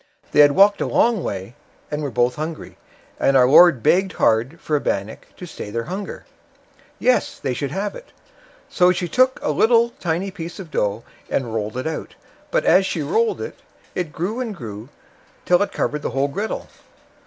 They had walked a long way, and were both hungry, and our Lord begged hard for a bannock to stay their hunger. Yes, they should have it. So she took a little tiny piece of dough and rolled it out, but as she rolled it, it grew and grew till it covered the whole griddle.